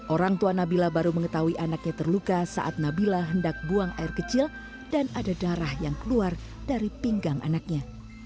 orang tua nabila baru mengetahui anaknya terluka saat nabila hendak buang air kecil dan ada darah yang keluar dari pinggang anaknya